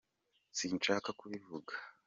sinshaka kubivuga